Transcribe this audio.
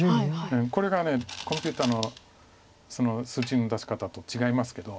これがコンピューターの数値の出し方と違いますけど。